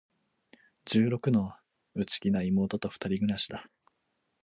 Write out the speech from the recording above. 十六の、内気な妹と二人暮しだ。